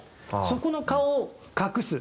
そこの顔を隠す。